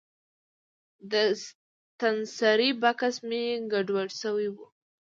د ستنسرۍ بکس مې ګډوډ شوی و.